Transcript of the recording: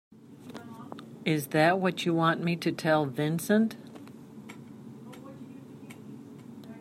Is that what you want me to tell Vincent?